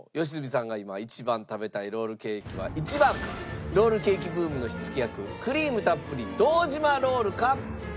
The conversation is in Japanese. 良純さんが今一番食べたいロールケーキは１番ロールケーキブームの火つけ役クリームたっぷり堂島ロールか？